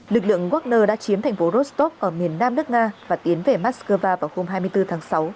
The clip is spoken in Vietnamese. lực lượng wagner đã chiếm thành phố rostov ở miền nam nước nga và tiến về moscow vào hôm hai mươi bốn tháng sáu